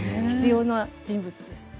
必要な人物です。